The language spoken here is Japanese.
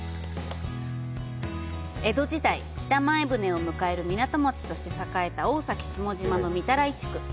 江戸時代、北前船を迎える港町として栄えた大崎下島の御手洗地区。